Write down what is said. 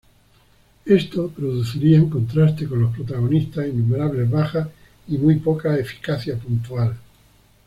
Esto produciría, en contraste con los protagonistas, innumerables bajas y muy poca eficacia puntual.